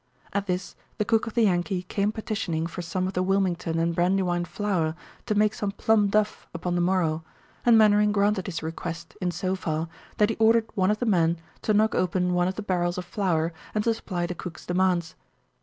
At this the cook of the Yankee came petitioning for some of the Wilmington and Brandywine flour to make some plum duff upon the morrow, and Mainwaring granted his request in so far that he ordered one of the men to knock open one of the barrels of flour and to supply the cook's demands.